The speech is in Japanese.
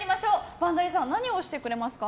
バンダリさん何をしてくれますか？